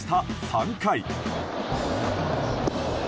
３回。